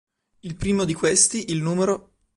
Il primo di questi, il No.